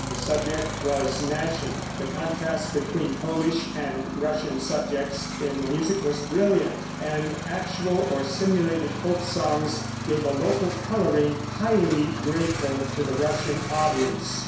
The subject was national, the contrast between Polish and Russian subjects in the music was brilliant, and actual or simulated folk songs gave a local coloring highly grateful to the Russian audience.